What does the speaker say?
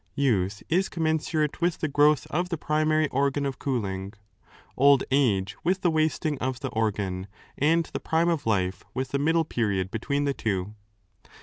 Youth is commensurate with the growth of the primary organ of cooling, old age with the wasting of the organ, and the prime of life with the middle period between the 2 two.